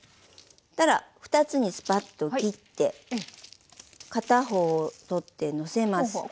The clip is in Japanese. そしたら２つにスパッと切って片方を取ってのせます。